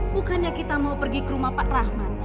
bukannya kita mau pergi ke rumah pak rahmat